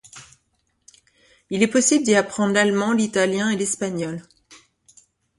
Il est possible d'y apprendre l'allemand, l'italien et l'espagnol.